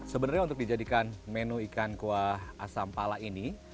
sebenarnya untuk dijadikan menu ikan kuah asam pala ini